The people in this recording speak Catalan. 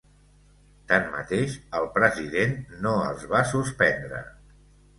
Tanmateix, el president no els va suspendre.